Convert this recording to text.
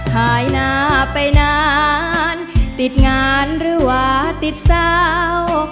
หายหน้าไปนานติดงานหรือว่าติดสาว